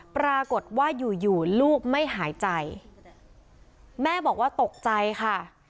ปรากฏว่าอยู่อยู่ลูกไม่หายใจแม่บอกว่าตกใจค่ะ